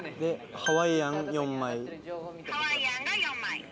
ハワイアンが４枚。